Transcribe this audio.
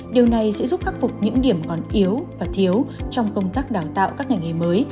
điều này sẽ giúp khắc phục những điểm còn yếu và thiếu trong công tác đào tạo các ngành nghề mới